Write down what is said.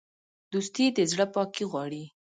دوستي د زړه پاکي غواړي.